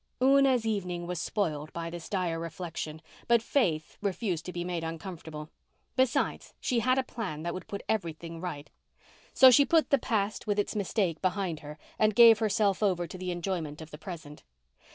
Una's evening was spoiled by this dire reflection, but Faith refused to be made uncomfortable. Besides, she had a plan that would put everything right. So she put the past with its mistake behind her and gave herself over to enjoyment of the present.